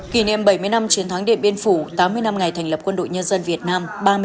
kỷ niệm bảy mươi năm chiến thắng điện biên phủ tám mươi năm ngày thành lập quân đội nhân dân việt nam